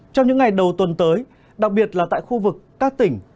trong những ngày đầu tuần tới đặc biệt là tại khu vực các tỉnh